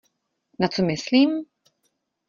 Na co myslím?